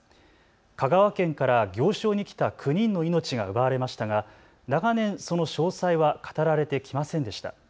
香川県から行商に来た９人の命が奪われましたが長年、その詳細は語られてきませんでした。